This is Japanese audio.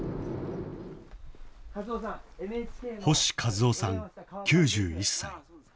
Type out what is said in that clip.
星一男さん９１歳。